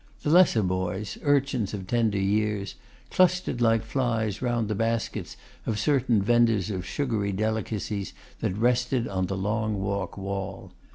The lesser boys, urchins of tender years, clustered like flies round the baskets of certain vendors of sugary delicacies that rested on the Long Walk wall.